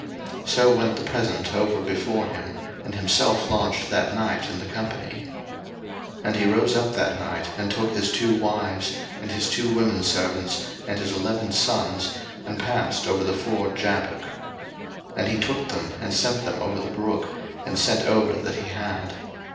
01:032:021 So went the present over before him: and himself lodged that night in the company. 01:032:022 And he rose up that night, and took his two wives, and his two womenservants, and his eleven sons, and passed over the ford Jabbok. 01:032:023 And he took them, and sent them over the brook, and sent over that he had.